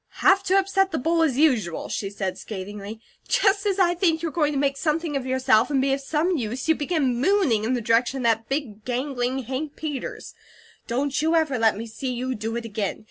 "Have to upset the bowl, as usual?" she said, scathingly. "Just as I think you're going to make something of yourself, and be of some use, you begin mooning in the direction of that big, gangling Hank Peters. Don't you ever let me see you do it again.